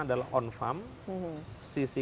adalah on farm sisi